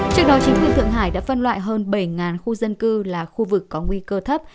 trước đó chính quyền thượng hải đã phân loại hơn bảy khu dân cư là khu vực có nguy cơ thấp